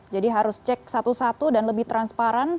jadi harus cek satu satu dan lebih transparan